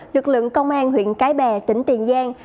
lực lượng công an huyện cái bè tỉnh tiền giang